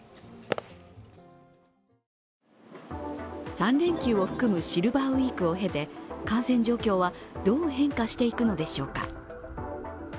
３連休を含むシルバーウイークを経て感染状況はどう変化していくのでしょうか。